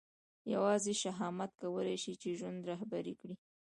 یوازې شهامت کولای شي چې ژوند رهبري کړي.